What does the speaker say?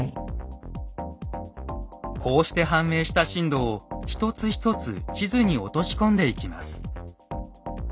こうして判明した震度を一つ一つ地図に落とし込んでいきます。